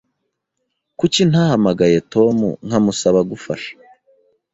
Kuki ntahamagaye Tom nkamusaba gufasha?